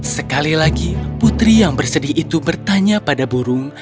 sekali lagi putri yang bersedih itu bertanya pada burung